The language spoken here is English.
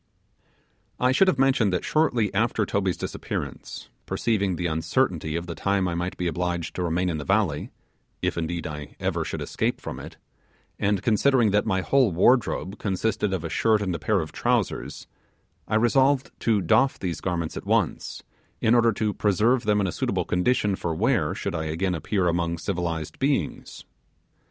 I should have mentioned that shortly after Toby's disappearance, perceiving the uncertainty of the time I might be obliged to remain in the valley if, indeed, I ever should escape from it and considering that my whole wardrobe consisted of a shirt and a pair of trousers, I resolved to doff these garments at once, in order to preserve them in a suitable condition for wear should I again appear among civilized beings.